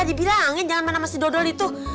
dibilangin jangan sama si dodol itu